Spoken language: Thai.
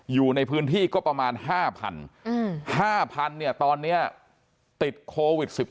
อยู่ในพื้นที่ก็ประมาณห้าพันอืมห้าพันเนี่ยตอนเนี้ยติดโควิด๑๙